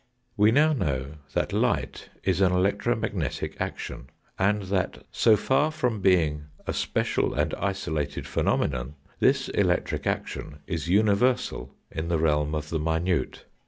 We know now that light is an electro magnetic action, and that so far from being a special and isolated pheno menon this electric action is universal in the realm of the minute.